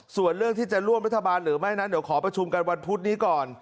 ส่วนเรื่องที่จะร่วมรัฐบาลหรือไม่นั้นเดี๋ยวขอประชุมกันวันพุธนี้ก่อน